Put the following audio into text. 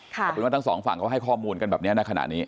ถูกส่งฝั่งให้ข้อมูลกันแบบนี้นานาขนาดนี้